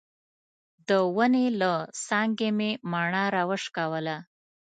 د ونې له څانګې مې مڼه راوشکوله.